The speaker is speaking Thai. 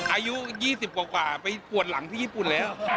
อายุ๒๐กว่าไปปวดหลังที่ญี่ปุ่นแล้ว